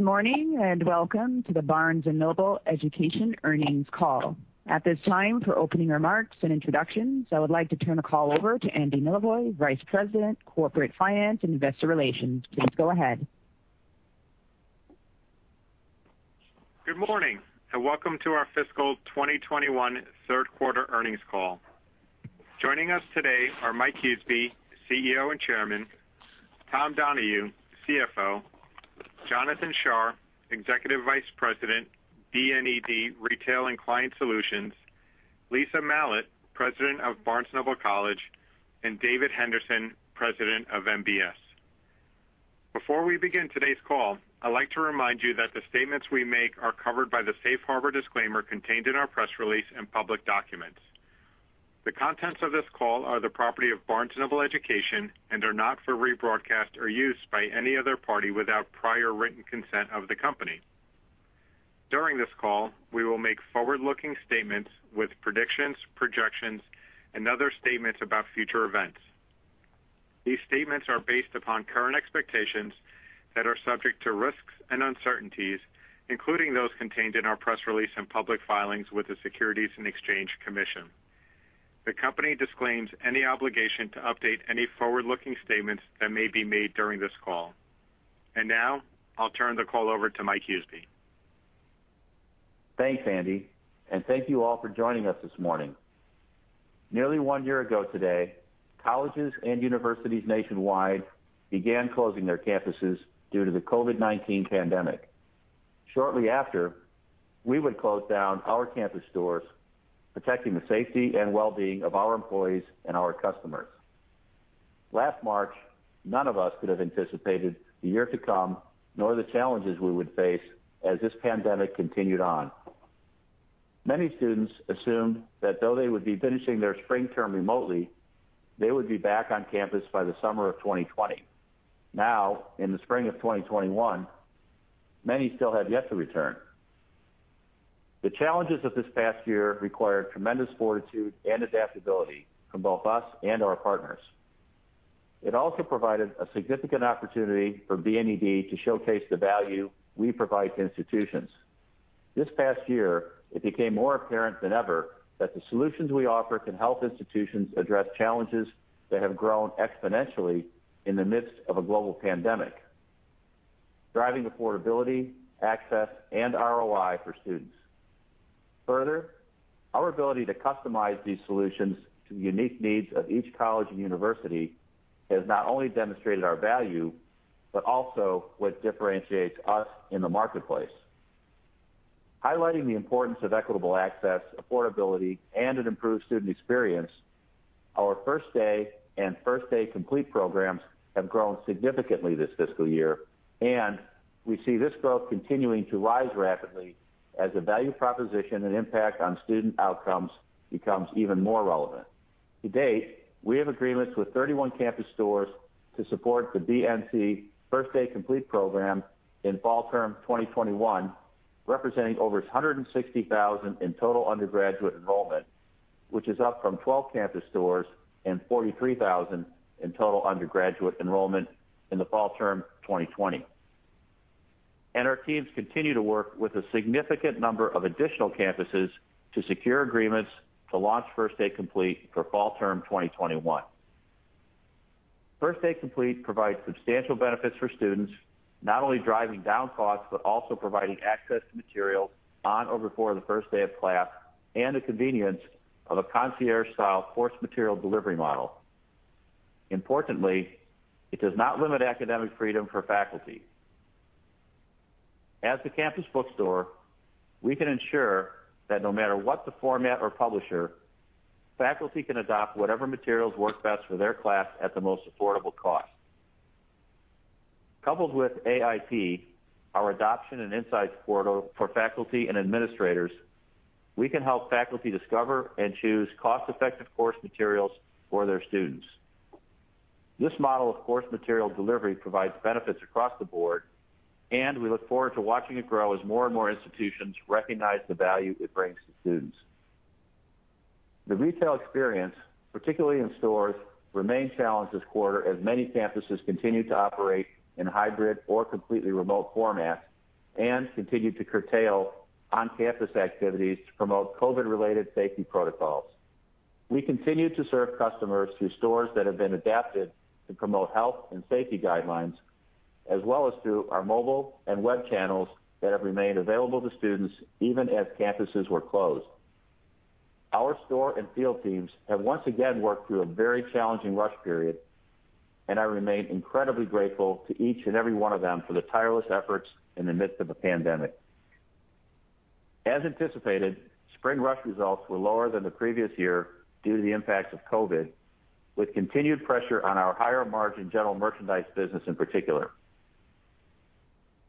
Good morning, welcome to the Barnes & Noble Education earnings call. At this time, for opening remarks and introductions, I would like to turn the call over to Andy Milevoj, Vice President, Corporate Finance and Investor Relations. Please go ahead. Good morning, and welcome to our fiscal 2021 third quarter earnings call. Joining us today are Mike Huseby, CEO and Chairman, Tom Donohue, CFO, Jonathan Shar, Executive Vice President, BNED Retail and Client Solutions, Lisa Malat, President of Barnes & Noble College, and David Henderson, President of MBS. Before we begin today's call, I'd like to remind you that the statements we make are covered by the safe harbor disclaimer contained in our press release and public documents. The contents of this call are the property of Barnes & Noble Education and are not for rebroadcast or use by any other party without prior written consent of the company. During this call, we will make forward-looking statements with predictions, projections, and other statements about future events. These statements are based upon current expectations that are subject to risks and uncertainties, including those contained in our press release and public filings with the Securities and Exchange Commission. The company disclaims any obligation to update any forward-looking statements that may be made during this call. Now, I'll turn the call over to Mike Huseby. Thanks, Andy, and thank you all for joining us this morning. Nearly one year ago today, colleges and universities nationwide began closing their campuses due to the COVID-19 pandemic. Shortly after, we would close down our campus stores, protecting the safety and well-being of our employees and our customers. Last March, none of us could have anticipated the year to come, nor the challenges we would face as this pandemic continued on. Many students assumed that though they would be finishing their spring term remotely, they would be back on campus by the summer of 2020. Now, in the spring of 2021, many still have yet to return. The challenges of this past year required tremendous fortitude and adaptability from both us and our partners. It also provided a significant opportunity for BNED to showcase the value we provide to institutions. This past year, it became more apparent than ever that the solutions we offer can help institutions address challenges that have grown exponentially in the midst of a global pandemic, driving affordability, access, and ROI for students. Further, our ability to customize these solutions to the unique needs of each college and university has not only demonstrated our value but also what differentiates us in the marketplace. Highlighting the importance of equitable access, affordability, and an improved student experience, our First Day and First Day Complete programs have grown significantly this fiscal year, and we see this growth continuing to rise rapidly as the value proposition and impact on student outcomes becomes even more relevant. To date, we have agreements with 31 campus stores to support the BNC First Day Complete program in fall term 2021, representing over 160,000 in total undergraduate enrollment, which is up from 12 campus stores and 43,000 in total undergraduate enrollment in the fall term 2020. Our teams continue to work with a significant number of additional campuses to secure agreements to launch First Day Complete for fall term 2021. First Day Complete provides substantial benefits for students, not only driving down costs, but also providing access to materials on or before the first day of class and the convenience of a concierge-style course material delivery model. Importantly, it does not limit academic freedom for faculty. As the campus bookstore, we can ensure that no matter what the format or publisher, faculty can adopt whatever materials work best for their class at the most affordable cost. Coupled with AIP, our Adoption and Insights Portal for faculty and administrators, we can help faculty discover and choose cost-effective course materials for their students. This model of course material delivery provides benefits across the board. We look forward to watching it grow as more and more institutions recognize the value it brings to students. The retail experience, particularly in stores, remained challenged this quarter as many campuses continued to operate in hybrid or completely remote formats. Continued to curtail on-campus activities to promote COVID-related safety protocols. We continue to serve customers through stores that have been adapted to promote health and safety guidelines, as well as through our mobile and web channels that have remained available to students even as campuses were closed. Our store and field teams have once again worked through a very challenging rush period, and I remain incredibly grateful to each and every one of them for their tireless efforts in the midst of a pandemic. As anticipated, spring rush results were lower than the previous year due to the impacts of COVID-19, with continued pressure on our higher margin general merchandise business in particular.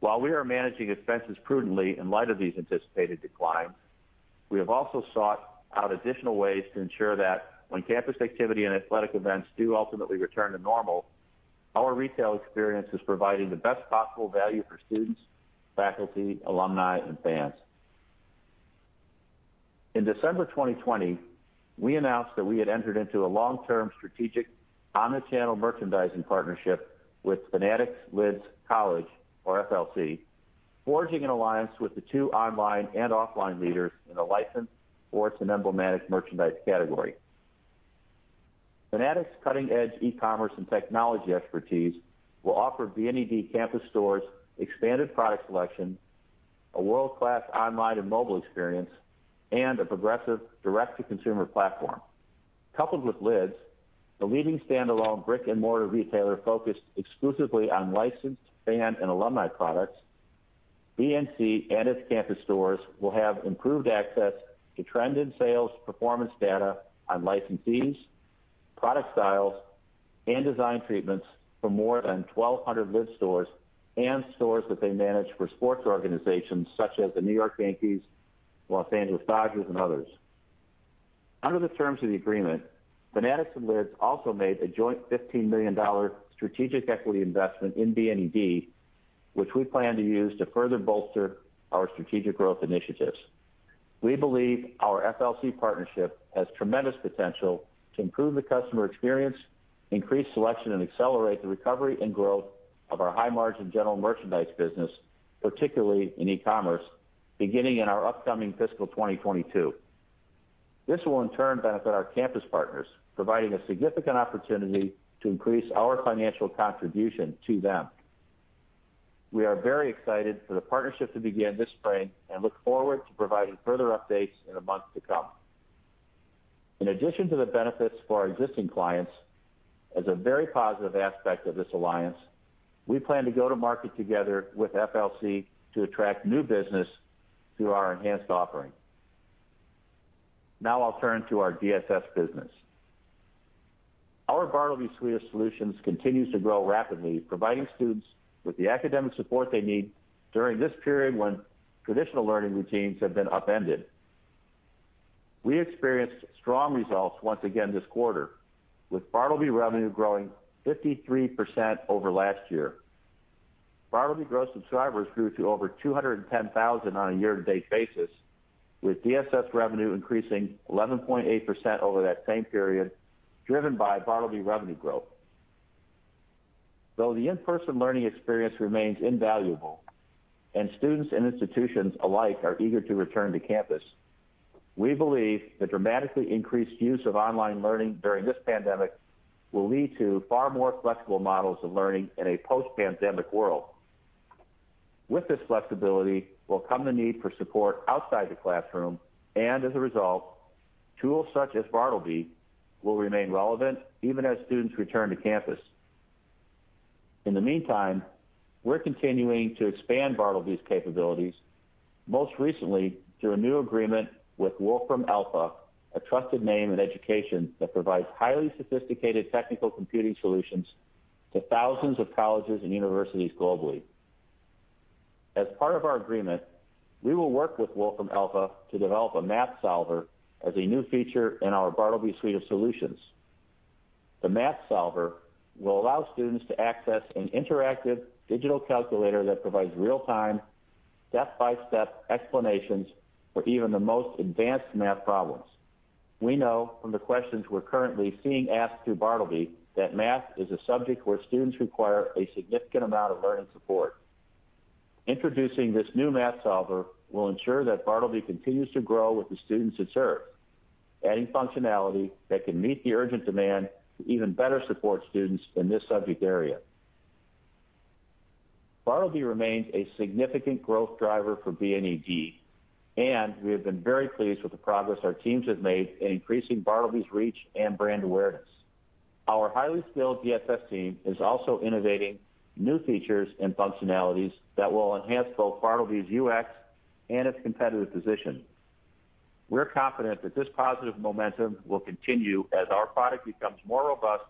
While we are managing expenses prudently in light of these anticipated declines, we have also sought out additional ways to ensure that when campus activity and athletic events do ultimately return to normal, our retail experience is providing the best possible value for students, faculty, alumni, and fans. In December 2020, we announced that we had entered into a long-term strategic omni-channel merchandising partnership with Fanatics Lids College, or FLC, forging an alliance with the two online and offline leaders in the licensed sports and emblematic merchandise category. Fanatics' cutting-edge e-commerce and technology expertise will offer BNED campus stores expanded product selection, a world-class online and mobile experience, and a progressive direct-to-consumer platform. Coupled with Lids, a leading standalone brick-and-mortar retailer focused exclusively on licensed fan and alumni products, BNC and its campus stores will have improved access to trend and sales performance data on licensees, product styles, and design treatments for more than 1,200 Lids stores and stores that they manage for sports organizations such as the New York Yankees, Los Angeles Dodgers, and others. Under the terms of the agreement, Fanatics and Lids also made a joint $15 million strategic equity investment in BNED, which we plan to use to further bolster our strategic growth initiatives. We believe our FLC partnership has tremendous potential to improve the customer experience, increase selection, and accelerate the recovery and growth of our high-margin general merchandise business, particularly in e-commerce, beginning in our upcoming fiscal 2022. This will, in turn, benefit our campus partners, providing a significant opportunity to increase our financial contribution to them. We are very excited for the partnership to begin this spring and look forward to providing further updates in the months to come. In addition to the benefits for our existing clients, as a very positive aspect of this alliance, we plan to go to market together with FLC to attract new business through our enhanced offering. I'll turn to our DSS business. Our Bartleby suite of solutions continues to grow rapidly, providing students with the academic support they need during this period when traditional learning routines have been upended. We experienced strong results once again this quarter, with Bartleby revenue growing 53% over last year. Bartleby gross subscribers grew to over 210,000 on a year-to-date basis, with DSS revenue increasing 11.8% over that same period, driven by Bartleby revenue growth. Though the in-person learning experience remains invaluable, and students and institutions alike are eager to return to campus, we believe the dramatically increased use of online learning during this pandemic will lead to far more flexible models of learning in a post-pandemic world. With this flexibility will come the need for support outside the classroom, and as a result, tools such as Bartleby will remain relevant even as students return to campus. In the meantime, we're continuing to expand Bartleby's capabilities, most recently through a new agreement with Wolfram Alpha, a trusted name in education that provides highly sophisticated technical computing solutions to thousands of colleges and universities globally. As part of our agreement, we will work with Wolfram Alpha to develop a math solver as a new feature in our Bartleby suite of solutions. The math solver will allow students to access an interactive digital calculator that provides real-time, step-by-step explanations for even the most advanced math problems. We know from the questions we're currently seeing asked through Bartleby that math is a subject where students require a significant amount of learning support. Introducing this new math solver will ensure that Bartleby continues to grow with the students it serves, adding functionality that can meet the urgent demand to even better support students in this subject area. Bartleby remains a significant growth driver for BNED, and we have been very pleased with the progress our teams have made in increasing Bartleby's reach and brand awareness. Our highly skilled DSS team is also innovating new features and functionalities that will enhance both Bartleby's UX and its competitive position. We're confident that this positive momentum will continue as our product becomes more robust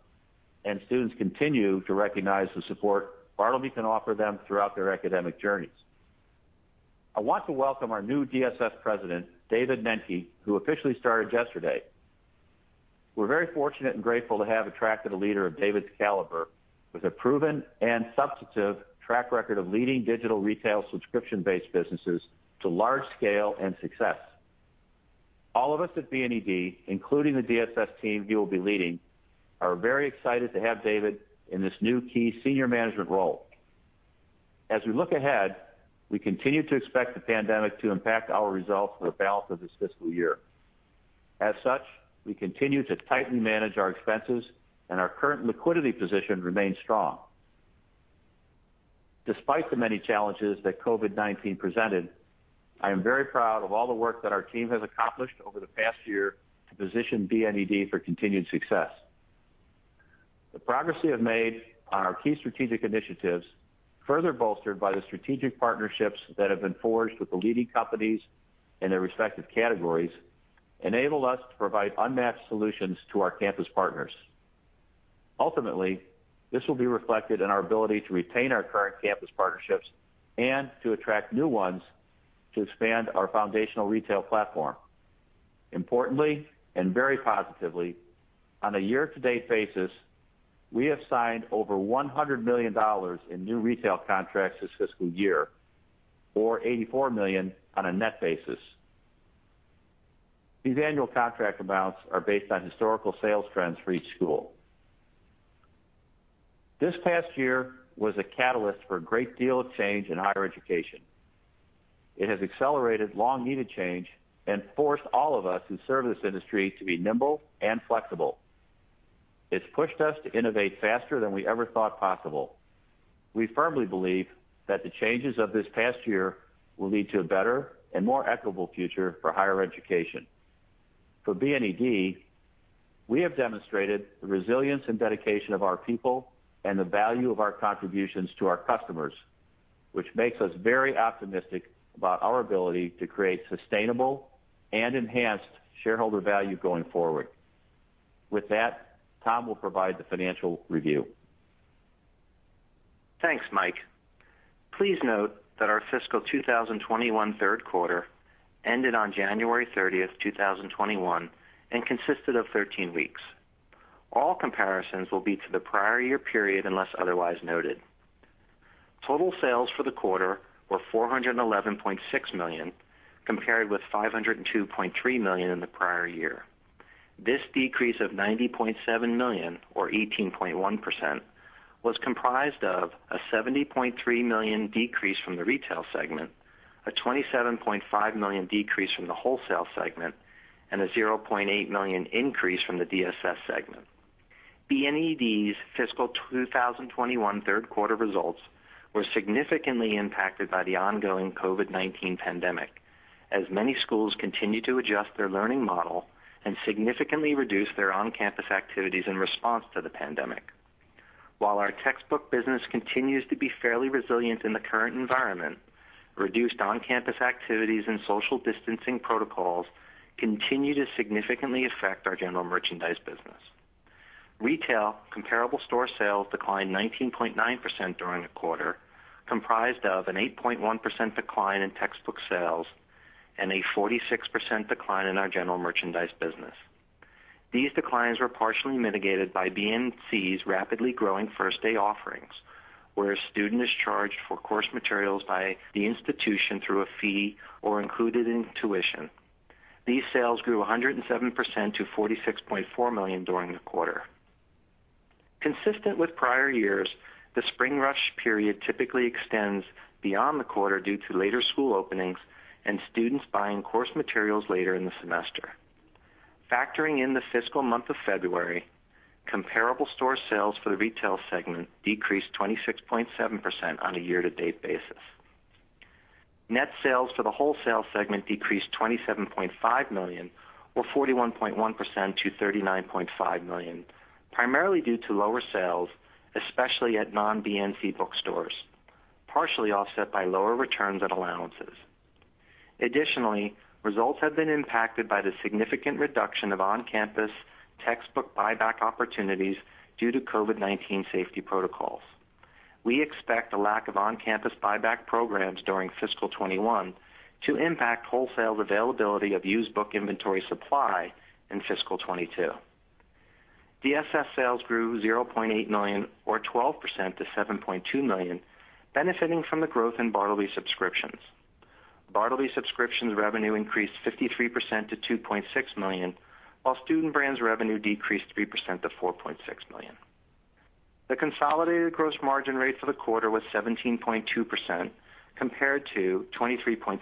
and students continue to recognize the support Bartleby can offer them throughout their academic journeys. I want to welcome our new DSS president, David Nenke, who officially started yesterday. We're very fortunate and grateful to have attracted a leader of David's caliber with a proven and substantive track record of leading digital retail subscription-based businesses to large scale and success. All of us at BNED, including the DSS team he will be leading, are very excited to have David in this new key senior management role. As we look ahead, we continue to expect the pandemic to impact our results for the balance of this fiscal year. As such, we continue to tightly manage our expenses, and our current liquidity position remains strong. Despite the many challenges that COVID-19 presented, I am very proud of all the work that our team has accomplished over the past year to position BNED for continued success. The progress we have made on our key strategic initiatives, further bolstered by the strategic partnerships that have been forged with the leading companies in their respective categories, enable us to provide unmatched solutions to our campus partners. Ultimately, this will be reflected in our ability to retain our current campus partnerships and to attract new ones to expand our foundational retail platform. Importantly, and very positively, on a year-to-date basis, we have signed over $100 million in new retail contracts this fiscal year, or $84 million on a net basis. These annual contract amounts are based on historical sales trends for each school. This past year was a catalyst for a great deal of change in higher education. It has accelerated long-needed change and forced all of us who serve this industry to be nimble and flexible. It's pushed us to innovate faster than we ever thought possible. We firmly believe that the changes of this past year will lead to a better and more equitable future for higher education. For BNED, we have demonstrated the resilience and dedication of our people and the value of our contributions to our customers, which makes us very optimistic about our ability to create sustainable and enhanced shareholder value going forward. With that, Tom will provide the financial review. Thanks, Mike. Please note that our fiscal 2021 third quarter ended on January 30th, 2021, and consisted of 13 weeks. All comparisons will be to the prior year period unless otherwise noted. Total sales for the quarter were $411.6 million, compared with $502.3 million in the prior year. This decrease of $90.7 million, or 18.1%, was comprised of a $70.3 million decrease from the retail segment, a $27.5 million decrease from the wholesale segment, and a $0.8 million increase from the DSS segment. BNED's fiscal 2021 third quarter results were significantly impacted by the ongoing COVID-19 pandemic, as many schools continue to adjust their learning model and significantly reduce their on-campus activities in response to the pandemic. While our textbook business continues to be fairly resilient in the current environment, reduced on-campus activities and social distancing protocols continue to significantly affect our general merchandise business. Retail comparable store sales declined 19.9% during the quarter, comprised of an 8.1% decline in textbook sales and a 46% decline in our general merchandise business. These declines were partially mitigated by BNC's rapidly growing First Day offerings, where a student is charged for course materials by the institution through a fee or included in tuition. These sales grew 107% to $46.4 million during the quarter. Consistent with prior years, the Spring Rush period typically extends beyond the quarter due to later school openings and students buying course materials later in the semester. Factoring in the fiscal month of February, comparable store sales for the retail segment decreased 26.7% on a year-to-date basis. Net sales to the wholesale segment decreased $27.5 million, or 41.1% to $39.5 million, primarily due to lower sales, especially at non-BNC bookstores, partially offset by lower returns and allowances. Additionally, results have been impacted by the significant reduction of on-campus textbook buyback opportunities due to COVID-19 safety protocols. We expect a lack of on-campus buyback programs during fiscal 2021 to impact wholesale availability of used book inventory supply in fiscal 2022. DSS sales grew $0.8 million, or 12%, to $7.2 million, benefiting from the growth in Bartleby subscriptions. Bartleby subscriptions revenue increased 53% to $2.6 million, while Student Brands revenue decreased 3% to $4.6 million. The consolidated gross margin rate for the quarter was 17.2%, compared to 23.6%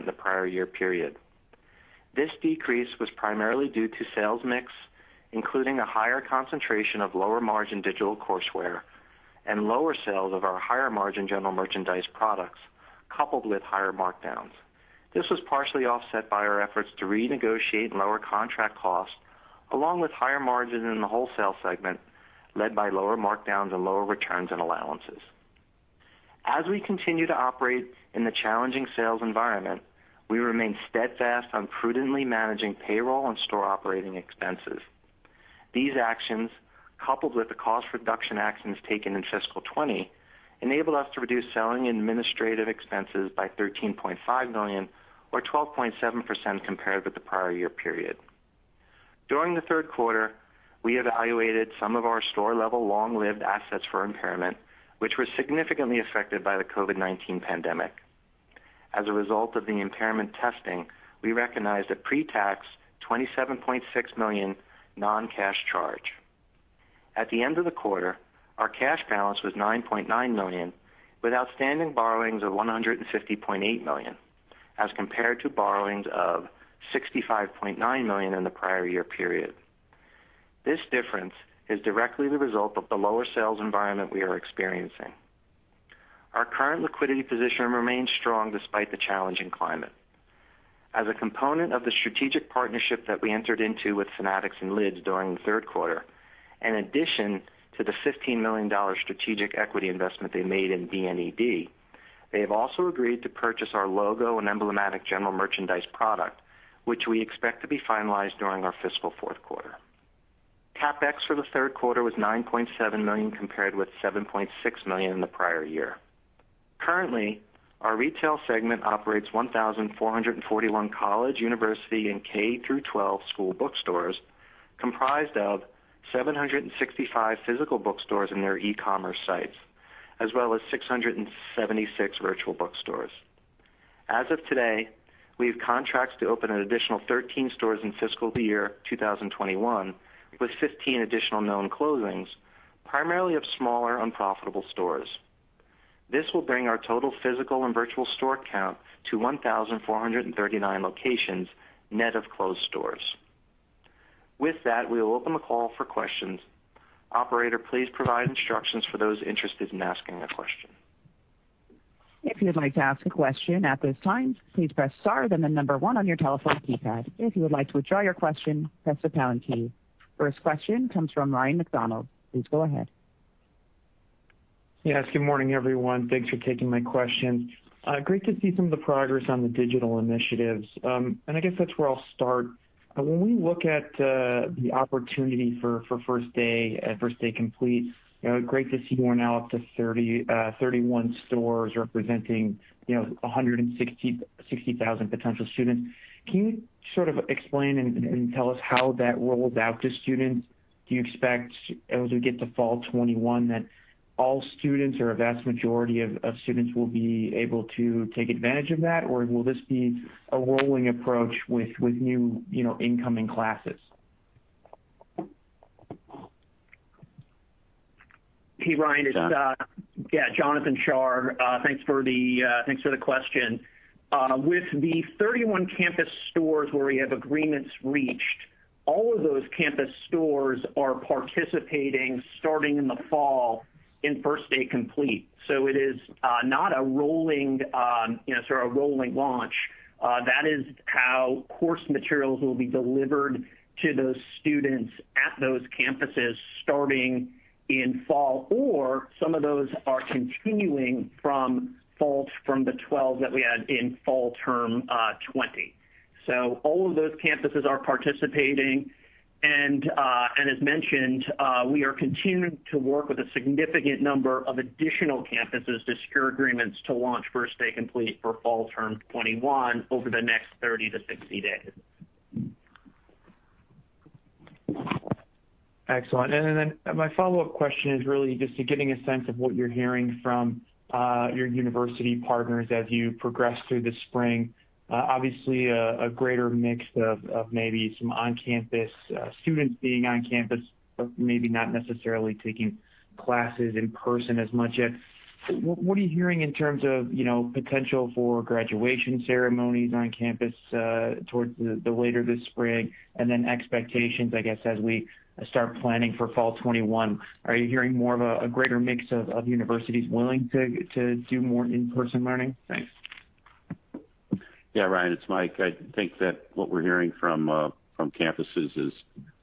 in the prior year period. This decrease was primarily due to sales mix, including a higher concentration of lower margin digital courseware and lower sales of our higher margin general merchandise products, coupled with higher markdowns. This was partially offset by our efforts to renegotiate and lower contract costs, along with higher margin in the wholesale segment, led by lower markdowns and lower returns and allowances. As we continue to operate in the challenging sales environment, we remain steadfast on prudently managing payroll and store operating expenses. These actions, coupled with the cost reduction actions taken in fiscal 2020, enabled us to reduce selling and administrative expenses by $13.5 million, or 12.7%, compared with the prior year period. During the third quarter, we evaluated some of our store-level long-lived assets for impairment, which were significantly affected by the COVID-19 pandemic. As a result of the impairment testing, we recognized a pre-tax $27.6 million non-cash charge. At the end of the quarter, our cash balance was $9.9 million, with outstanding borrowings of $150.8 million, as compared to borrowings of $65.9 million in the prior year period. This difference is directly the result of the lower sales environment we are experiencing. Our current liquidity position remains strong despite the challenging climate. As a component of the strategic partnership that we entered into with Fanatics and Lids during the third quarter, in addition to the $15 million strategic equity investment they made in BNED, they have also agreed to purchase our logo and emblematic general merchandise product, which we expect to be finalized during our fiscal fourth quarter. CapEx for the third quarter was $9.7 million, compared with $7.6 million in the prior year. Currently, our retail segment operates 1,441 college, university, and K-12 school bookstores comprised of 765 physical bookstores and their e-commerce sites, as well as 676 virtual bookstores. As of today, we have contracts to open an additional 13 stores in fiscal year 2021, with 15 additional known closings, primarily of smaller, unprofitable stores. This will bring our total physical and virtual store count to 1,439 locations, net of closed stores. With that, we will open the call for questions. Operator, please provide instructions for those interested in asking a question. If you'd like to ask a question at this time, please press star then number one on telephone keypad. If you would like to withdraw your question, press pound key. First question comes from Ryan MacDonald. Please go ahead. Yes. Good morning, everyone. Thanks for taking my question. Great to see some of the progress on the digital initiatives. I guess that's where I'll start. When we look at the opportunity for First Day and First Day Complete, great to see you are now up to 31 stores representing 160,000 potential students. Can you sort of explain and tell us how that rolls out to students? Do you expect as we get to fall 2021 that all students or a vast majority of students will be able to take advantage of that? Will this be a rolling approach with new incoming classes? Hey, Ryan. It's Jonathan Shar. Thanks for the question. With the 31 campus stores where we have agreements reached, all of those campus stores are participating starting in the fall in First Day Complete. It is not a rolling sort of rolling launch. That is how course materials will be delivered to those students at those campuses starting in fall, or some of those are continuing from fall from the 12 that we had in fall term 2020. All of those campuses are participating and as mentioned, we are continuing to work with a significant number of additional campuses to secure agreements to launch First Day Complete for fall term 2021 over the next 30-60 days. Excellent. Then my follow-up question is really just to getting a sense of what you're hearing from your university partners as you progress through the spring. Obviously, a greater mix of maybe some students being on campus, but maybe not necessarily taking classes in person as much yet. What are you hearing in terms of potential for graduation ceremonies on campus towards the later this spring? Then expectations, I guess, as we start planning for fall 2021. Are you hearing more of a greater mix of universities willing to do more in-person learning? Thanks. Yeah, Ryan, it's Mike. I think that what we're hearing from campuses is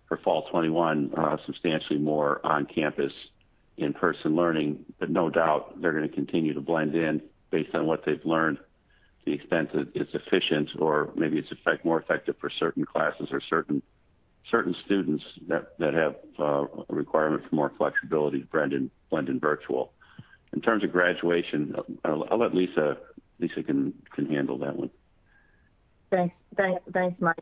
for fall 2021, substantially more on-campus in-person learning. No doubt, they're going to continue to blend in based on what they've learned to the extent that it's efficient or maybe it's more effective for certain classes or certain students that have a requirement for more flexibility to blend in virtual. In terms of graduation, I'll let Lisa handle that one. Thanks, Mike.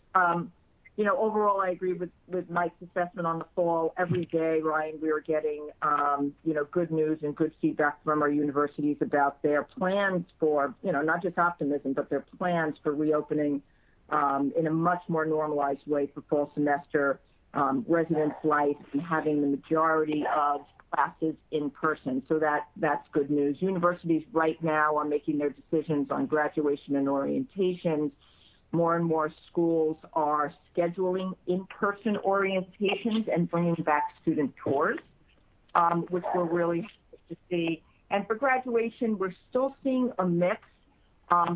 Overall, I agree with Mike's assessment on the fall. Every day, Ryan, we are getting good news and good feedback from our universities about their plans for, not just optimism, but their plans for reopening in a much more normalized way for fall semester, residence life, and having the majority of classes in person. That's good news. Universities right now are making their decisions on graduation and orientation. More and more schools are scheduling in-person orientations and bringing back student tours, which we're really happy to see. For graduation, we're still seeing a mix,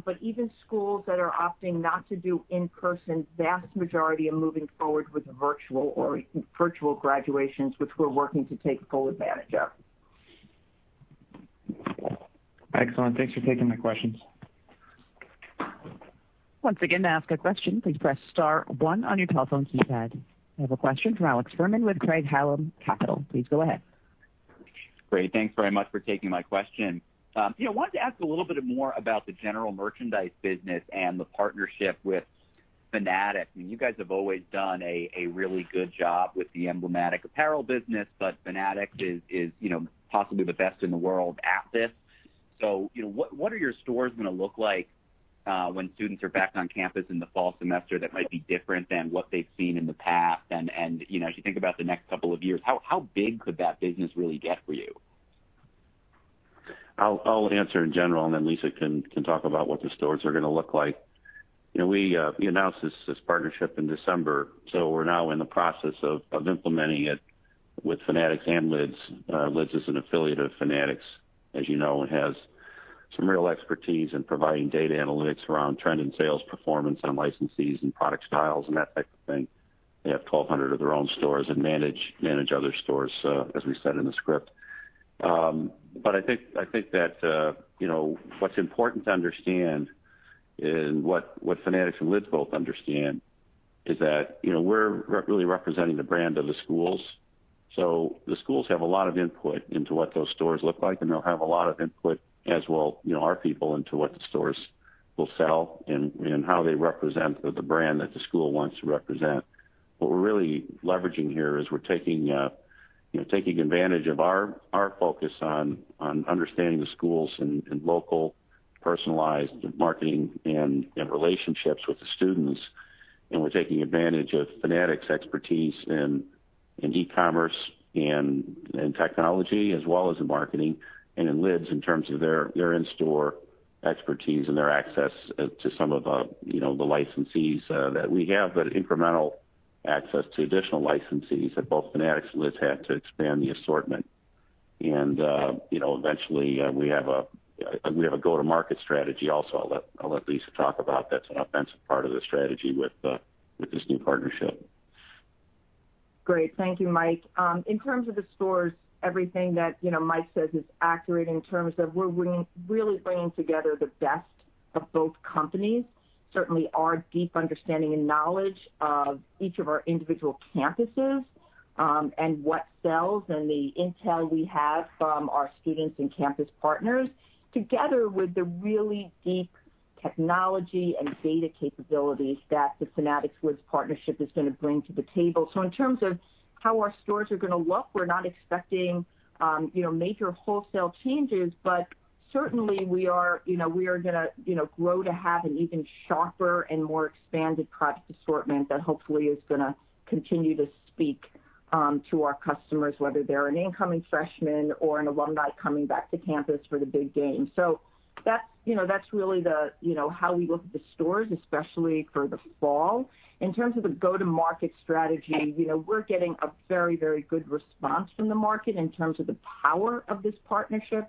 but even schools that are opting not to do in-person, vast majority are moving forward with virtual graduations, which we're working to take full advantage of. Excellent. Thanks for taking my questions. Once again, to ask a question, please press star one on your telephone keypad. I have a question from Alex Fuhrman with Craig-Hallum Capital. Please go ahead. Great. Thanks very much for taking my question. I wanted to ask a little bit more about the general merchandise business and the partnership with Fanatics. I mean, you guys have always done a really good job with the emblematic apparel business, but Fanatics is possibly the best in the world at this. What are your stores going to look like when students are back on campus in the fall semester that might be different than what they've seen in the past? As you think about the next couple of years, how big could that business really get for you? I'll answer in general, and then Lisa can talk about what the stores are going to look like. We announced this partnership in December. We're now in the process of implementing it with Fanatics and Lids. Lids is an affiliate of Fanatics, as you know, and has some real expertise in providing data analytics around trend and sales performance on licensees and product styles and that type of thing. They have 1,200 of their own stores and manage other stores, as we said in the script. I think that what's important to understand and what Fanatics and Lids both understand is that we're really representing the brand of the schools. The schools have a lot of input into what those stores look like, and they'll have a lot of input as well, our people into what the stores will sell and how they represent the brand that the school wants to represent. What we're really leveraging here is we're taking advantage of our focus on understanding the schools and local personalized marketing and relationships with the students. We're taking advantage of Fanatics' expertise in e-commerce and in technology as well as in marketing, and in Lids in terms of their in-store expertise and their access to some of the licensees that we have, but incremental access to additional licensees that both Fanatics and Lids have to expand the assortment. Eventually, we have a go-to-market strategy also. I'll let Lisa talk about that offensive part of the strategy with this new partnership. Great. Thank you, Mike. In terms of the stores, everything that Mike says is accurate in terms of we're really bringing together the best of both companies. Certainly our deep understanding and knowledge of each of our individual campuses, and what sells, and the intel we have from our students and campus partners, together with the really deep technology and data capabilities that the Fanatics-Lids partnership is going to bring to the table. In terms of how our stores are going to look, we're not expecting major wholesale changes, but certainly we are going to grow to have an even sharper and more expanded product assortment that hopefully is going to continue to speak to our customers, whether they're an incoming freshman or an alumni coming back to campus for the big game. That's really how we look at the stores, especially for the fall. In terms of the go-to-market strategy, we're getting a very good response from the market in terms of the power of this partnership,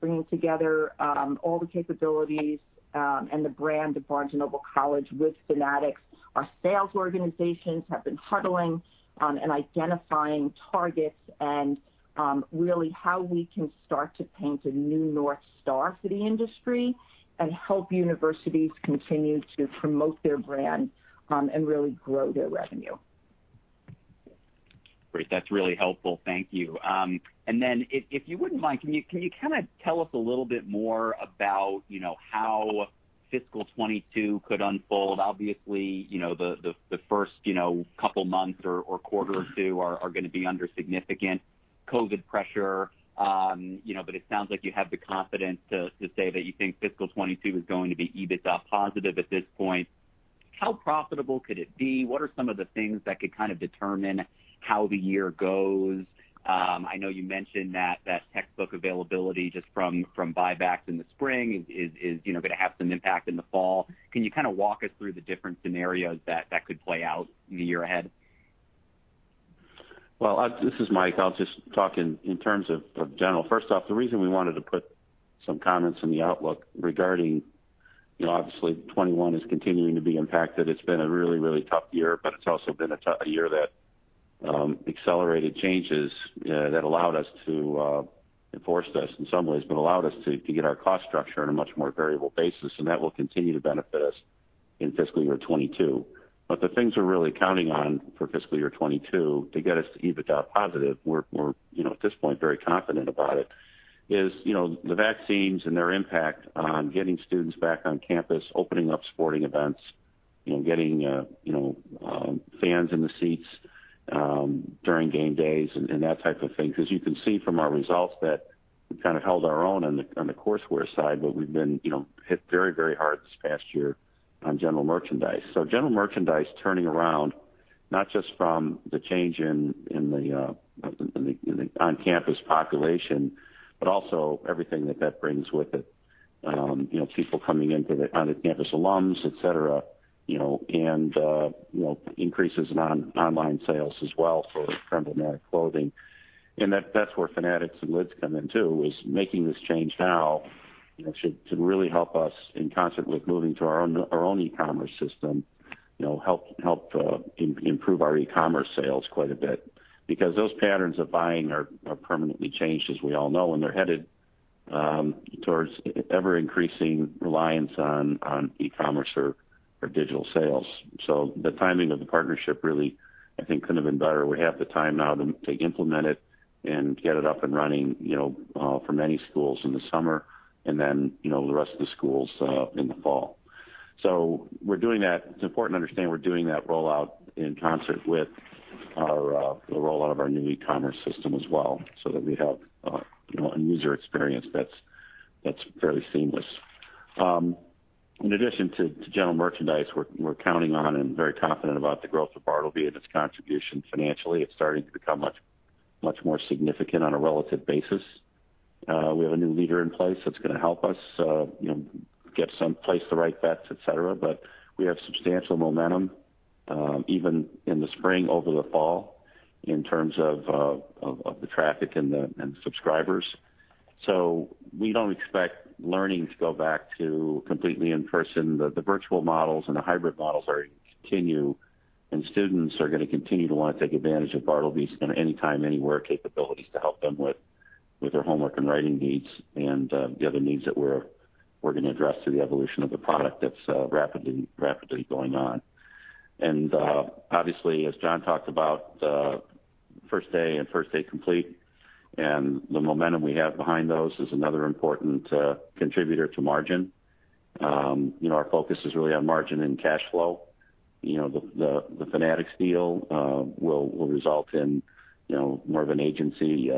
bringing together all the capabilities and the brand of Barnes & Noble College with Fanatics. Our sales organizations have been huddling and identifying targets and really how we can start to paint a new North Star for the industry and help universities continue to promote their brand, and really grow their revenue. Great. That's really helpful. Thank you. If you wouldn't mind, can you kind of tell us a little bit more about how fiscal 2022 could unfold? Obviously, the first couple months or quarter or two are going to be under significant COVID-19 pressure. It sounds like you have the confidence to say that you think fiscal 2022 is going to be EBITDA positive at this point. How profitable could it be? What are some of the things that could kind of determine how the year goes? I know you mentioned that textbook availability just from buybacks in the spring is going to have some impact in the fall. Can you kind of walk us through the different scenarios that could play out in the year ahead? Well, this is Mike. I'll just talk in terms of general. First off, the reason we wanted to put some comments in the outlook regarding, obviously fiscal year 2021 is continuing to be impacted. It's been a really tough year, but it's also been a year that accelerated changes that allowed us to, forced us in some ways, but allowed us to get our cost structure on a much more variable basis, and that will continue to benefit us in fiscal year 2022. The things we're really counting on for fiscal year 2022 to get us to EBITDA positive, we're at this point very confident about it, is the vaccines and their impact on getting students back on campus, opening up sporting events, getting fans in the seats during game days and that type of thing. You can see from our results that we've kind of held our own on the courseware side, but we've been hit very hard this past year on general merchandise. General merchandise turning around, not just from the change in the on-campus population, but also everything that that brings with it. People coming in for the on-campus alums, et cetera, and increases in online sales as well for Fanatics clothing. That's where Fanatics and Lids come in, too, is making this change now should really help us in concert with moving to our own e-commerce system, help improve our e-commerce sales quite a bit. Those patterns of buying are permanently changed, as we all know, and they're headed towards ever-increasing reliance on e-commerce or digital sales. The timing of the partnership really, I think, couldn't have been better. We have the time now to implement it and get it up and running for many schools in the summer and then the rest of the schools in the fall. We're doing that. It's important to understand we're doing that rollout in concert with the rollout of our new e-commerce system as well, so that we have a user experience that's fairly seamless. In addition to general merchandise, we're counting on and very confident about the growth of Bartleby and its contribution financially. It's starting to become much more significant on a relative basis. We have a new leader in place that's going to help us get some place to right bets, et cetera. We have substantial momentum, even in the spring over the fall, in terms of the traffic and the subscribers. We don't expect learning to go back to completely in-person. The virtual models and the hybrid models are going to continue, students are going to continue to want to take advantage of Bartleby's kind of anytime, anywhere capabilities to help them with their homework and writing needs and the other needs that we're going to address through the evolution of the product that's rapidly going on. Obviously, as Jonathan talked about First Day and First Day Complete, the momentum we have behind those is another important contributor to margin. Our focus is really on margin and cash flow. The Fanatics deal will result in more of an agency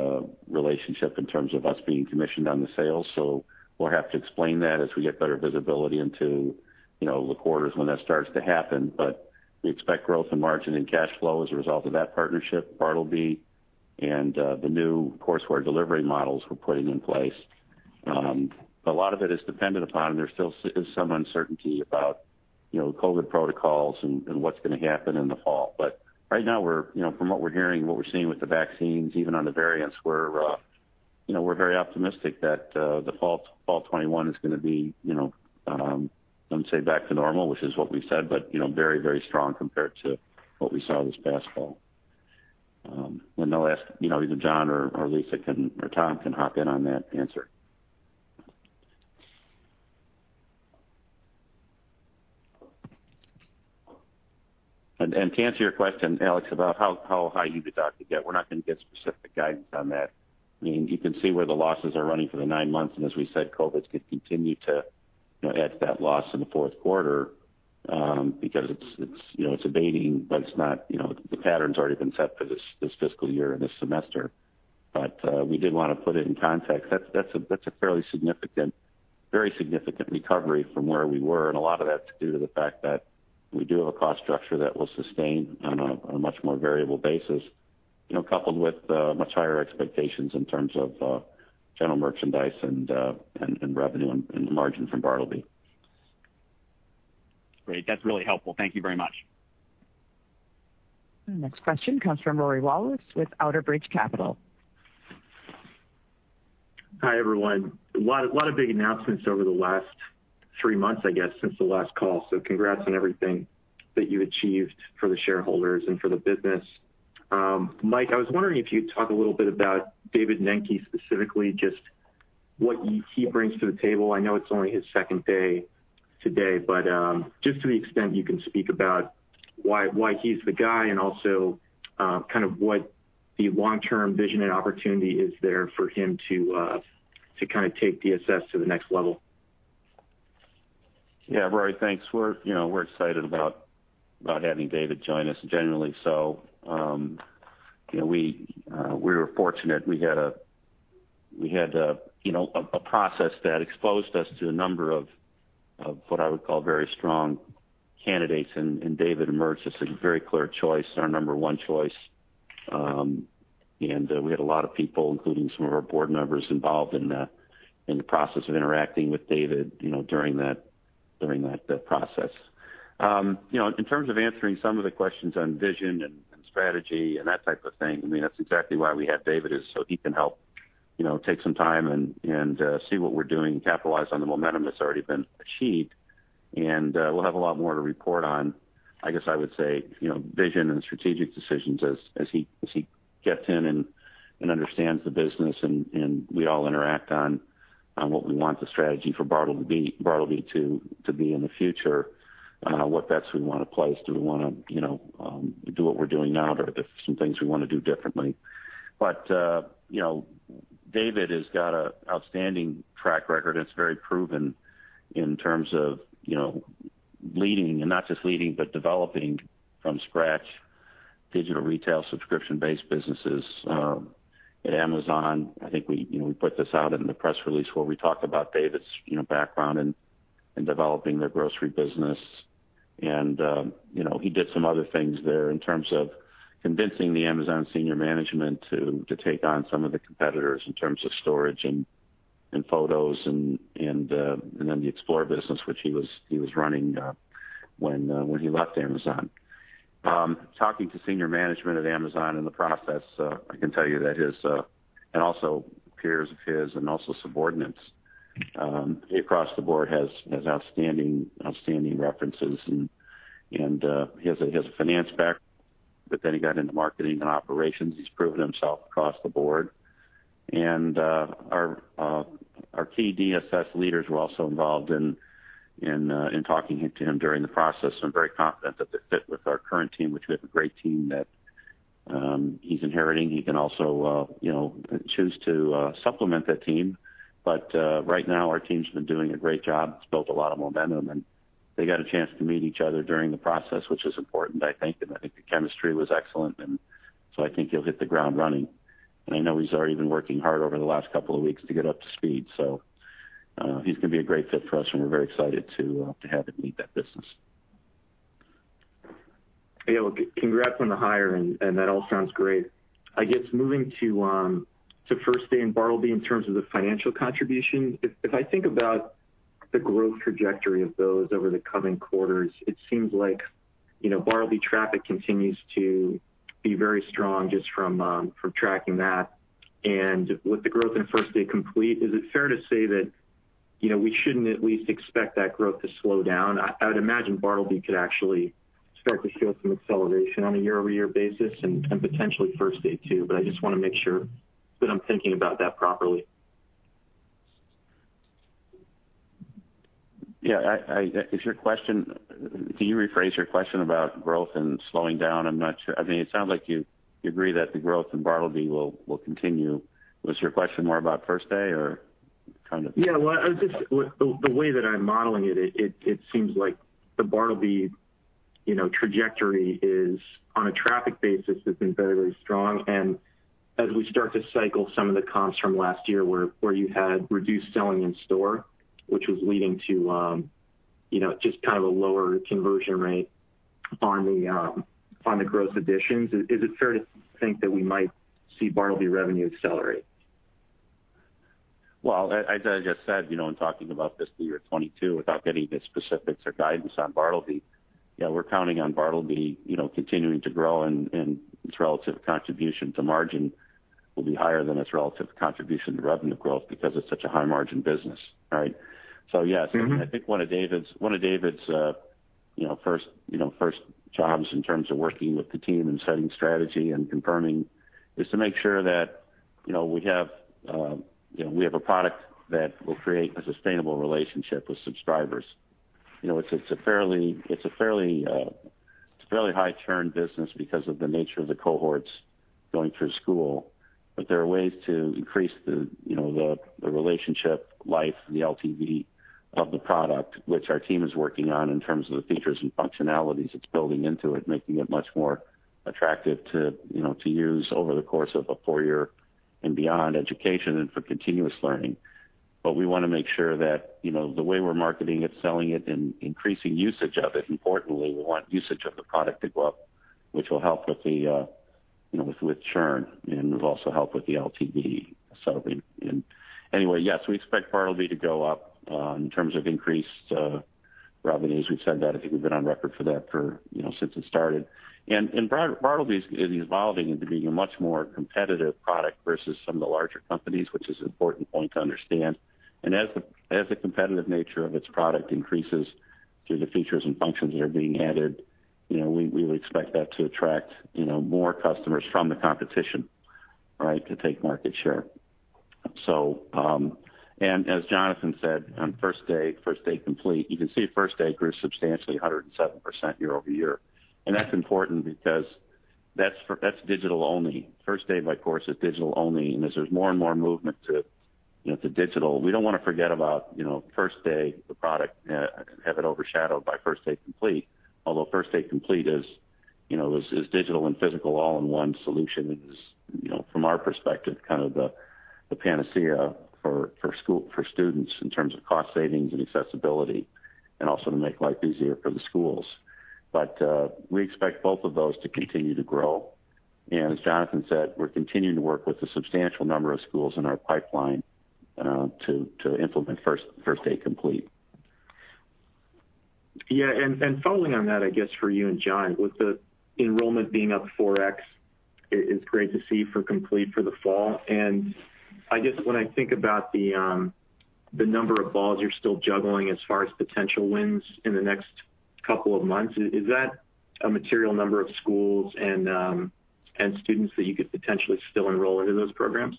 relationship in terms of us being commissioned on the sale. We'll have to explain that as we get better visibility into the quarters when that starts to happen. We expect growth in margin and cash flow as a result of that partnership, Bartleby, and the new courseware delivery models we're putting in place. A lot of it is dependent upon, there still is some uncertainty about COVID-19 protocols and what's going to happen in the fall. Right now, from what we're hearing and what we're seeing with the vaccines, even on the variants, we're very optimistic that the fall of 2021 is going to be, I wouldn't say back to normal, which is what we've said, but very strong compared to what we saw this past fall. I'll ask, either Jonathan or Lisa or Tom can hop in on that answer. To answer your question, Alex, about how high EBITDA could get, we're not going to give specific guidance on that. You can see where the losses are running for the nine months, and as we said, COVID could continue to add to that loss in the fourth quarter, because it's abating, but the pattern's already been set for this fiscal year and this semester. We did want to put it in context. That's a very significant recovery from where we were, and a lot of that's due to the fact that we do have a cost structure that will sustain on a much more variable basis, coupled with much higher expectations in terms of general merchandise and revenue and margin from Bartleby. Great. That's really helpful. Thank you very much. Next question comes from Rory Wallace with Outerbridge Capital. Hi, everyone. A lot of big announcements over the last three months, I guess, since the last call, so congrats on everything that you've achieved for the shareholders and for the business. Mike, I was wondering if you'd talk a little bit about David Nenke specifically, just what he brings to the table. I know it's only his second day today, but just to the extent you can speak about why he's the guy and also what the long-term vision and opportunity is there for him to take DSS to the next level. Yeah, Rory. Thanks. We're excited about having David join us, genuinely so. We were fortunate. We had a process that exposed us to a number of, what I would call, very strong candidates, and David emerged as a very clear choice, our number one choice. We had a lot of people, including some of our board members, involved in the process of interacting with David during that process. In terms of answering some of the questions on vision and strategy and that type of thing, that's exactly why we have David, is so he can help take some time and see what we're doing, capitalize on the momentum that's already been achieved. We'll have a lot more to report on, I guess I would say, vision and strategic decisions as he gets in and understands the business and we all interact on what we want the strategy for Bartleby to be in the future, what bets we want to place. Do we want to do what we're doing now? Are there some things we want to do differently? David has got an outstanding track record, and it's very proven in terms of leading, and not just leading, but developing from scratch digital retail subscription-based businesses at Amazon. I think we put this out in the press release where we talked about David's background in developing their grocery business. He did some other things there in terms of convincing the Amazon senior management to take on some of the competitors in terms of storage and photos and then the Explore business, which he was running when he left Amazon. Talking to senior management at Amazon in the process, I can tell you that his, and also peers of his and also subordinates across the board, has outstanding references. He has a finance back, but then he got into marketing and operations. He's proven himself across the board. Our key DSS leaders were also involved in talking to him during the process, so I'm very confident that the fit with our current team, which we have a great team that he's inheriting. He can also choose to supplement that team. Right now, our team's been doing a great job. It's built a lot of momentum, and they got a chance to meet each other during the process, which is important, I think. I think the chemistry was excellent, and so I think he'll hit the ground running. I know he's already been working hard over the last couple of weeks to get up to speed. He's going to be a great fit for us, and we're very excited to have him lead that business. Well, congrats on the hire, and that all sounds great. I guess, moving to First Day and Bartleby in terms of the financial contribution, if I think about the growth trajectory of those over the coming quarters, it seems like Bartleby traffic continues to be very strong just from tracking that. With the growth in First Day Complete, is it fair to say that we shouldn't at least expect that growth to slow down? I would imagine Bartleby could actually start to show some acceleration on a year-over-year basis and potentially First Day too, but I just want to make sure that I'm thinking about that properly. Yeah. Can you rephrase your question about growth and slowing down? I'm not sure. It sounds like you agree that the growth in Bartleby will continue. Was your question more about First Day or kind of- Yeah. Well, the way that I'm modeling it seems like the Bartleby trajectory is, on a traffic basis, has been very strong. As we start to cycle some of the comps from last year where you had reduced selling in store, which was leading to just kind of a lower conversion rate on the growth additions. Is it fair to think that we might see Bartleby revenue accelerate? Well, as I just said, in talking about fiscal year 2022, without getting into specifics or guidance on Bartleby, we're counting on Bartleby continuing to grow and its relative contribution to margin will be higher than its relative contribution to revenue growth because it's such a high-margin business, right? I think one of David's first jobs in terms of working with the team and setting strategy and confirming is to make sure that we have a product that will create a sustainable relationship with subscribers. It's a fairly high-churn business because of the nature of the cohorts going through school. There are ways to increase the relationship life, the LTV of the product, which our team is working on in terms of the features and functionalities it's building into it, making it much more attractive to use over the course of a four year and beyond education and for continuous learning. We want to make sure that the way we're marketing it, selling it, and increasing usage of it, importantly, we want usage of the product to go up, which will help with churn and will also help with the LTV. Anyway, yes, we expect Bartleby to go up in terms of increased revenue. As we've said that, I think we've been on record for that since it started. Bartleby is evolving into being a much more competitive product versus some of the larger companies, which is an important point to understand. As the competitive nature of its product increases through the features and functions that are being added, we would expect that to attract more customers from the competition, right, to take market share. As Jonathan said, on First Day, First Day Complete, you can see First Day grew substantially, 107% year-over-year. That's important because that's digital only. First Day, by course, is digital only. As there's more and more movement to digital, we don't want to forget about First Day the product and have it overshadowed by First Day Complete. Although First Day Complete is digital and physical all-in-one solution and is, from our perspective, kind of the panacea for students in terms of cost savings and accessibility and also to make life easier for the schools. We expect both of those to continue to grow. As Jonathan said, we're continuing to work with a substantial number of schools in our pipeline to implement First Day Complete. Yeah. Following on that, I guess for you and Jona, with the enrollment being up 4x, it is great to see for Complete for the fall. I guess when I think about the number of balls you're still juggling as far as potential wins in the next couple of months, is that a material number of schools and students that you could potentially still enroll into those programs?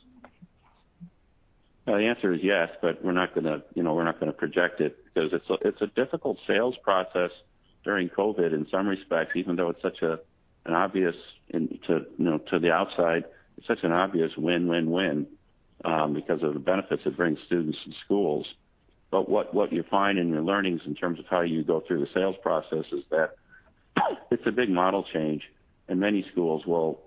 The answer is yes, but we're not going to project it because it's a difficult sales process during COVID in some respects, even though to the outside, it's such an obvious win-win-win because of the benefits it brings students and schools. What you find in your learnings in terms of how you go through the sales process is that it's a big model change, and many schools will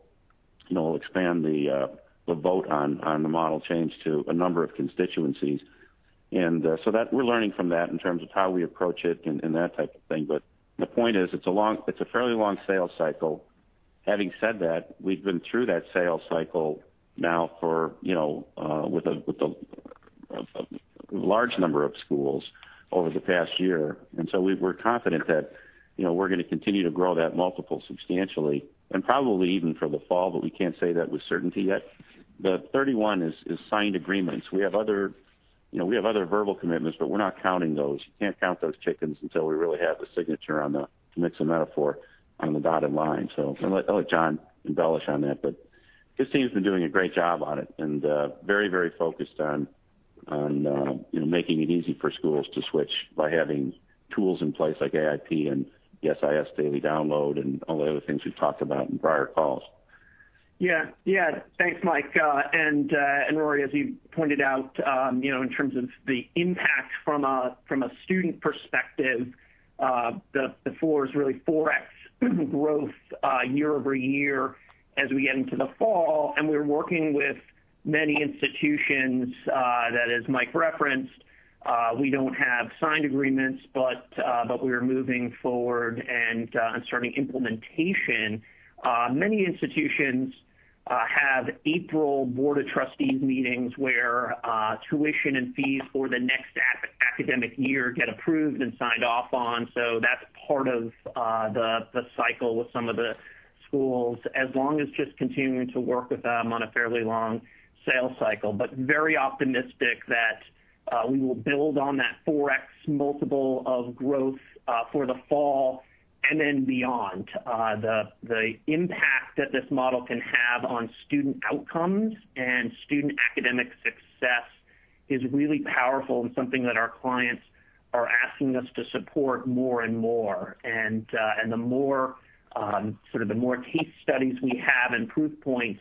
expand the vote on the model change to a number of constituencies. We're learning from that in terms of how we approach it and that type of thing. The point is, it's a fairly long sales cycle. Having said that, we've been through that sales cycle now with a large number of schools over the past year. We're confident that we're going to continue to grow that multiple substantially and probably even for the fall, but we can't say that with certainty yet. The 31 is signed agreements. We have other verbal commitments, but we're not counting those. You can't count those chickens until we really have the signature on the, to mix a metaphor, on the dotted line. I'll let Jonathan embellish on that, but his team's been doing a great job on it and very focused on making it easy for schools to switch by having tools in place like AIP and the SIS daily download and all the other things we've talked about in prior calls. Yeah. Thanks, Mike. Rory, as you pointed out, in terms of the impact from a student perspective, the four is really 4x growth year-over-year as we get into the fall. We're working with many institutions that, as Mike referenced, we don't have signed agreements, but we are moving forward and starting implementation. Many institutions have April board of trustees meetings where tuition and fees for the next academic year get approved and signed off on. That's part of the cycle with some of the schools. As long as just continuing to work with them on a fairly long sales cycle. Very optimistic that we will build on that 4x multiple of growth for the fall and then beyond. The impact that this model can have on student outcomes and student academic success is really powerful and something that our clients are asking us to support more and more. The more case studies we have and proof points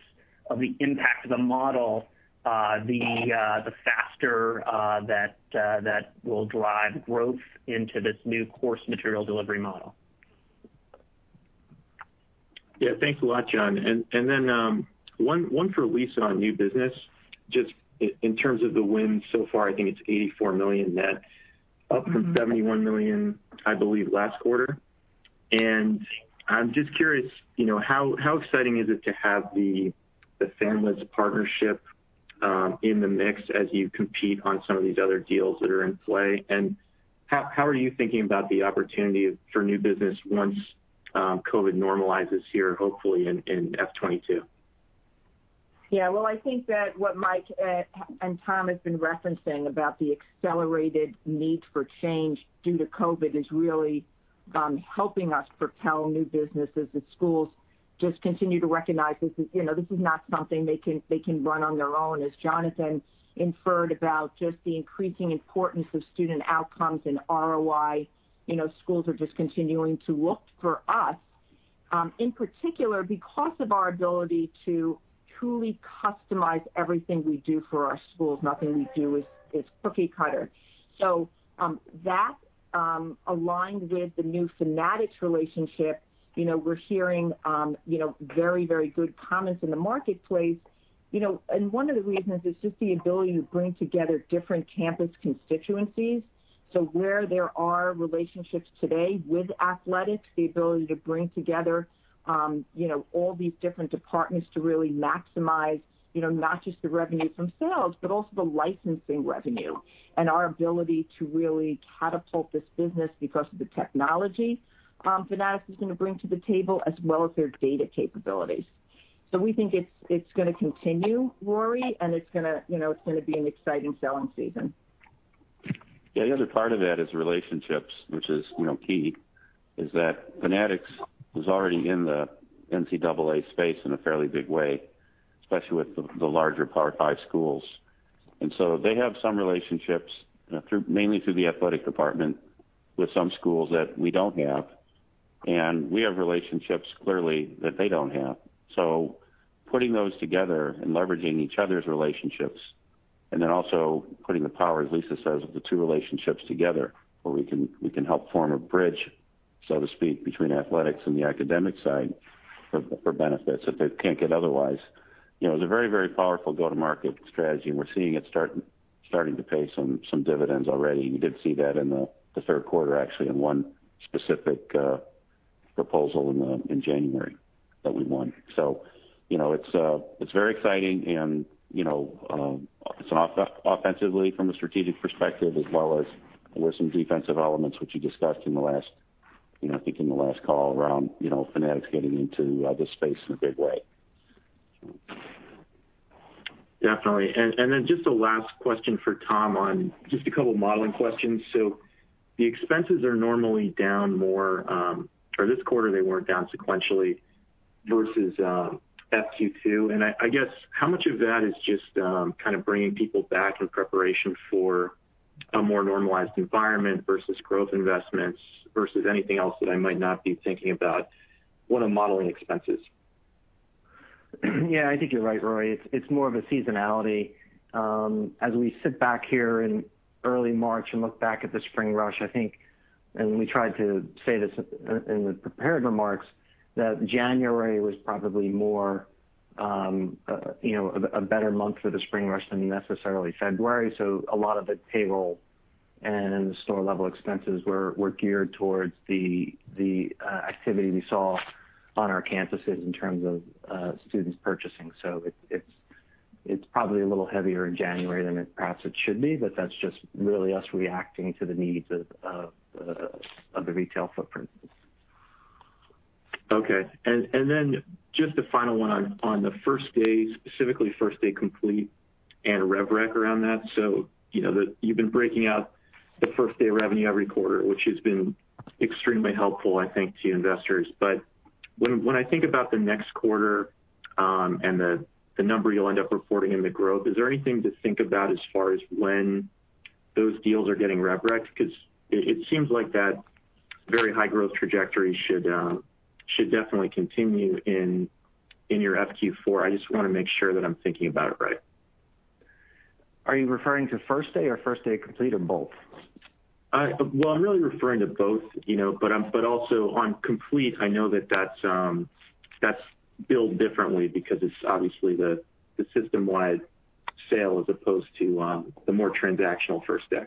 of the impact of the model, the faster that will drive growth into this new course material delivery model. Yeah. Thanks a lot, Jona. Then, one for Lisa on new business, just in terms of the wins so far, I think it's $84 million net up from $71 million, I believe, last quarter. I'm just curious, how exciting is it to have the Fanatics partnership in the mix as you compete on some of these other deals that are in play? How are you thinking about the opportunity for new business once COVID-19 normalizes here, hopefully, in FY 2022? Well, I think that what Mike and Tom have been referencing about the accelerated need for change due to COVID is really helping us propel new businesses as schools just continue to recognize this is not something they can run on their own. As Jonathan inferred about just the increasing importance of student outcomes and ROI, schools are just continuing to look for us, in particular, because of our ability to truly customize everything we do for our schools. Nothing we do is cookie cutter. That aligned with the new Fanatics relationship. We're hearing very good comments in the marketplace. One of the reasons is just the ability to bring together different campus constituencies. Where there are relationships today with athletics, the ability to bring together all these different departments to really maximize, not just the revenues themselves, but also the licensing revenue and our ability to really catapult this business because of the technology Fanatics is going to bring to the table, as well as their data capabilities. We think it's going to continue, Rory, and it's going to be an exciting selling season. Yeah. The other part of that is relationships, which is key, is that Fanatics was already in the NCAA space in a fairly big way, especially with the larger Power Five schools. They have some relationships mainly through the athletic department with some schools that we don't have, and we have relationships clearly that they don't have. Putting those together and leveraging each other's relationships and then also putting the power, as Lisa says, of the two relationships together where we can help form a bridge, so to speak, between athletics and the academic side for benefits that they can't get otherwise. It's a very powerful go-to-market strategy, and we're seeing it starting to pay some dividends already. You did see that in the third quarter, actually in one specific proposal in January that we won. It's very exciting and it's offensively from a strategic perspective as well as there were some defensive elements which you discussed I think in the last call around Fanatics getting into this space in a big way. Definitely. Then just a last question for Tom on just a couple modeling questions. The expenses are normally down more, or this quarter they weren't down sequentially versus FQ2. I guess how much of that is just kind of bringing people back in preparation for a more normalized environment versus growth investments versus anything else that I might not be thinking about when I'm modeling expenses? Yeah, I think you're right, Rory. It's more of a seasonality. As we sit back here in early March and look back at the spring rush, I think, we tried to say this in the prepared remarks, that January was probably a better month for the spring rush than necessarily February. A lot of the payroll and the store-level expenses were geared towards the activity we saw on our campuses in terms of students purchasing. It's probably a little heavier in January than perhaps it should be, that's just really us reacting to the needs of the retail footprint. Okay. Then just a final one on the First Day, specifically First Day Complete and rev rec around that. You've been breaking out the First Day revenue every quarter, which has been extremely helpful, I think, to investors. When I think about the next quarter, and the number you'll end up reporting in the growth, is there anything to think about as far as when those deals are getting rev rec? Because it seems like that very high growth trajectory should definitely continue in your FQ4. I just want to make sure that I'm thinking about it right. Are you referring to First Day or First Day Complete or both? Well, I'm really referring to both, but also on Complete, I know that's billed differently because it's obviously the system-wide sale as opposed to the more transactional First Day.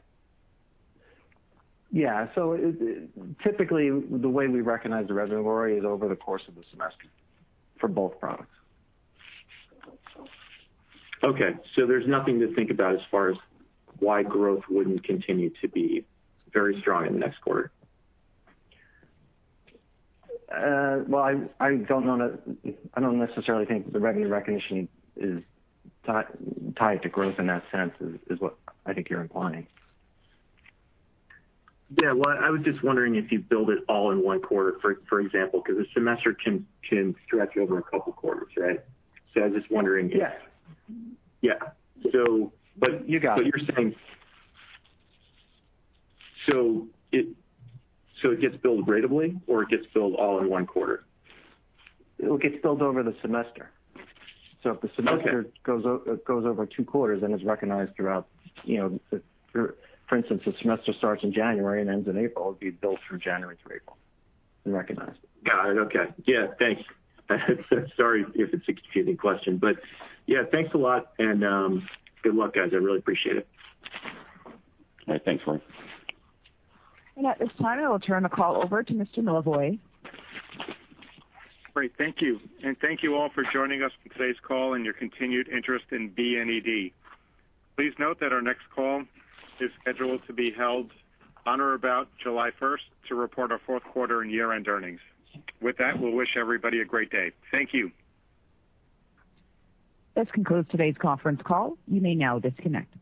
Typically, the way we recognize the revenue, Rory, is over the course of the semester for both products. Okay. There's nothing to think about as far as why growth wouldn't continue to be very strong in the next quarter? Well, I don't necessarily think the revenue recognition is tied to growth in that sense, is what I think you're implying. Yeah. Well, I was just wondering if you billed it all in one quarter, for example, because a semester can stretch over a couple quarters, right? Yeah. Yeah. You got it. You're saying, it gets billed ratably or it gets billed all in one quarter? It'll get billed over the semester. Okay. If the semester goes over two quarters, then it's recognized throughout. For instance, the semester starts in January and ends in April, it'd be billed through January to April and recognized. Got it. Okay. Yeah. Thanks. Sorry if it's a confusing question, but yeah, thanks a lot and good luck, guys. I really appreciate it. All right. Thanks, Rory. At this time, I will turn the call over to Mr. Milevoj. Great. Thank you. Thank you all for joining us on today's call and your continued interest in BNED. Please note that our next call is scheduled to be held on or about July 1st to report our fourth quarter and year-end earnings. With that, we'll wish everybody a great day. Thank you. This concludes today's conference call. You may now disconnect.